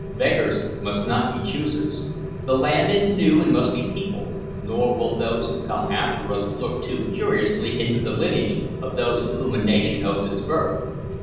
Beggars must not be choosers. The land is new and must be peopled, nor will those who come after us look too curiously into the lineage of those to whom a nation owes its birth.